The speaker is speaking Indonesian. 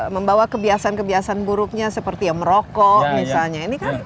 membawa kebiasaan kebiasaan buruknya seperti ya merokok misalnya